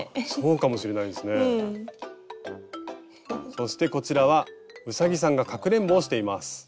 そしてこちらはうさぎさんがかくれんぼをしています。